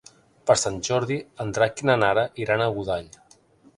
Per Sant Jordi en Drac i na Nara iran a Godall.